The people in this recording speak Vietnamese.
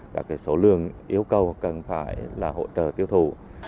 các số lượng yêu cầu cần phải là hỗ trợ tiêu thụ